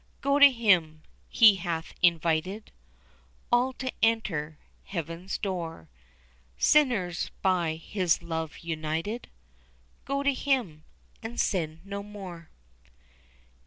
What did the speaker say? Go to Him! He hath invited All to enter Heaven's door, Sinners by His love united; Go to Him and sin no more.